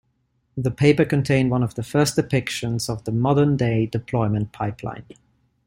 The paper contained one of the first depictions of the modern-day deployment pipeline.